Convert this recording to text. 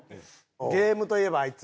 ゲームといえばあいつ。